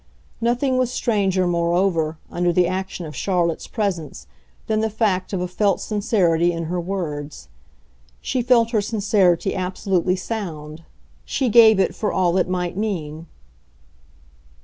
Nothing was stranger moreover, under the action of Charlotte's presence, than the fact of a felt sincerity in her words. She felt her sincerity absolutely sound she gave it for all it might mean.